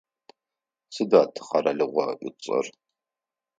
Сыда тикъэралыгъо ыцӏэр?